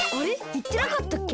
いってなかったっけ？